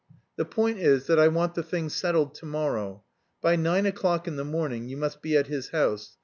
"The point is that I want the thing settled to morrow. By nine o'clock in the morning you must be at his house.